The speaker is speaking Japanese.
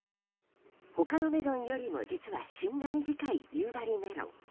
他のメロンよりも実は旬が短い夕張メロン。